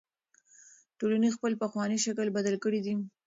ټولنې خپل پخوانی شکل بدل کړی دی.